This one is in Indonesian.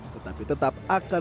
tetapi tetap akan berjalan